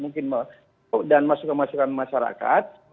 mungkin dan masyarakat